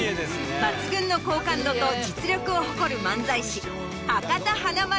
抜群の好感度と実力を誇る。